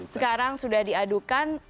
sekarang sudah diadukan